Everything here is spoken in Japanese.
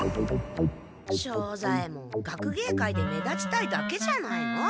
庄左ヱ門学芸会で目立ちたいだけじゃないの？